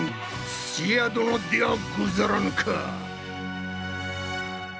土屋殿ではござらぬか！